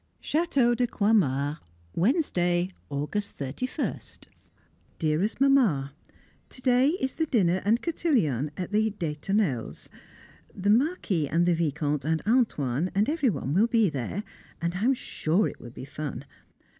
Château de Croixmare, Wednesday, August 31st. [Sidenote: Back at Croixmare] Dearest Mamma, To day is the dinner and cotillon at the de Tournelles'. The Marquis and the Vicomte and "Antoine" and every one will be there, and I am sure it will be fun.